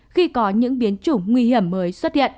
khi có những biến chủng nguy hiểm mới